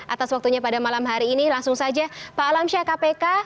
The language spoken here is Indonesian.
atas waktunya pada malam hari ini langsung saja pak alamsyah kpk